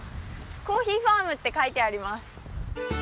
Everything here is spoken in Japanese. コーヒーファームって書いてあります。